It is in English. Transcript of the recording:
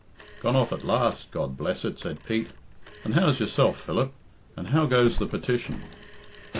"Gone off at last, God bless it," said Pete. "And how's yourself, Philip? And how goes the petition?"